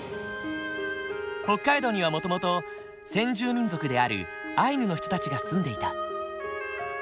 北海道にはもともと先住民族であるアイヌの人たちが住んでいた。